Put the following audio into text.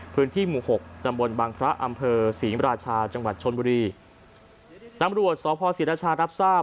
พื้นที่หมู่หกตำบลบางพระอำเภอศรีมราชาจังหวัดชนบุรีตำรวจสพศรีราชารับทราบ